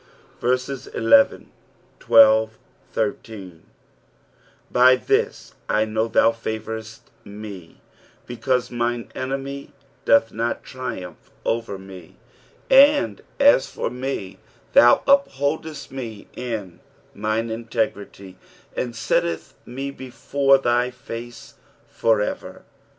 11 By this I know thou favourest me, because mine enemy doth not triumph over me. 12 And as for me, thou upholdest me in mine integrity, and settest me before thy face for ever.